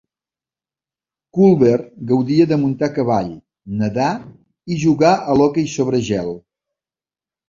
Culver gaudia de muntar a cavall, nedar i jugar a l'hoquei sobre gel.